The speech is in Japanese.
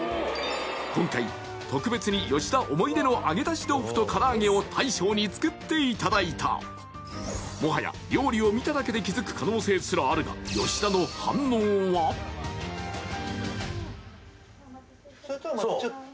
今回特別に吉田思い出の揚げ出し豆腐とから揚げを大将に作っていただいたもはや料理を見ただけで気づく可能性すらあるがお待たせいたしました